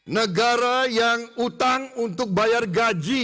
negara yang utang untuk bayar gaji